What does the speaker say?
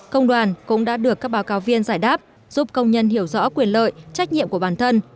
công đoàn cũng đã được các báo cáo viên giải đáp giúp công nhân hiểu rõ quyền lợi trách nhiệm của bản thân